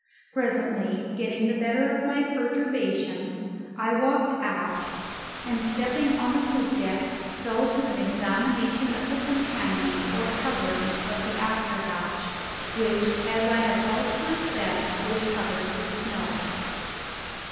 Presently, getting the better of my perturbation, I walked aft, and, stepping on to the poop deck, fell to an examination of the companion or covering of the after hatch, which, as I have elsewhere said, was covered with snow.